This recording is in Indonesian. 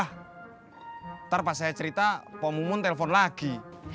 ntar pas saya cerita poh mumun telpon lagi